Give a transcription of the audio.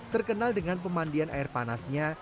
terkenal dengan pemandian air panasnya